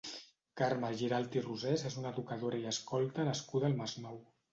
Carme Giralt i Rosés és una educadora i escolta nascuda al Masnou.